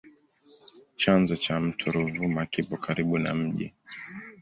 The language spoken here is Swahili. Chanzo cha mto Ruvuma kipo karibu na mji.